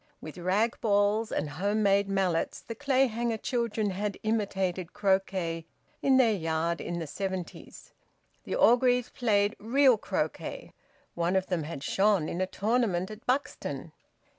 With rag balls and home made mallets the Clayhanger children had imitated croquet in their yard in the seventies. The Orgreaves played real croquet; one of them had shone in a tournament at Buxton.